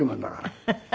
ハハハ。